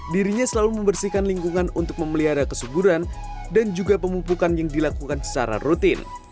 dirinya selalu membersihkan lingkungan untuk memelihara kesuburan dan juga pemumpukan yang dilakukan secara rutin